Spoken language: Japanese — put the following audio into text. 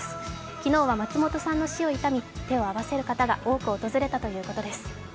昨日は松本さんの死を悼み手を合わせる方が多く訪れたということです。